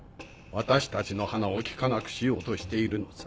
私たちの鼻をきかなくしようとしているのさ。